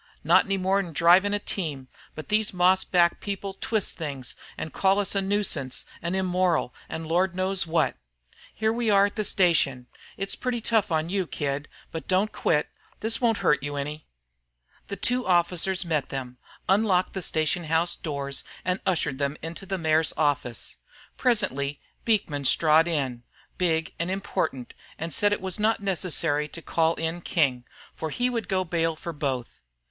Not any more 'n drivin' a team; but these moss backed people twist things an' call us 'nuisances' an' 'immoral' an' Lord knows what. Here we are at the station, it's pretty tough on you, kid, but don't quit. This won't hurt you any." The two officers met them, unlocked the station house doors, and ushered them into the mayor's office. Presently Beekman strode in, big and important, and said it was not necessary to call in King, for he would go bail for both.